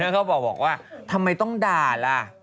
แล้วก็บอกว่าทำไมต้องด่าล่ะ